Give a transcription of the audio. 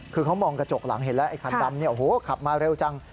คือเขามองกระจกหลังเห็นแล้วไอ้คันดำเนี่ยโอ้โหขับมาเร็วจัง